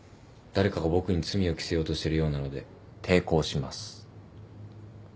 誰かが僕に罪を着せようとしてるようなので抵抗します。